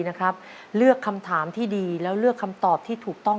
นะครับเลือกคำถามที่ดีแล้วเลือกคำตอบที่ถูกต้อง